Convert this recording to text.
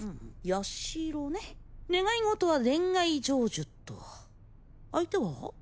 ヤシロね願い事は恋愛成就と相手は？